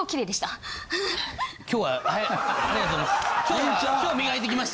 今日はありがとうございます。